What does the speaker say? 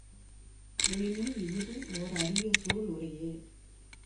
எனினும் இஃது ஓர் அரிய சூள் உரையே.